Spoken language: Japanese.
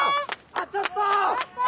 あとちょっと！